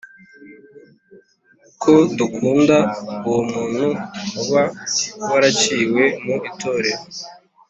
Ko dukunda uwo muntu uba waraciwe mu itorero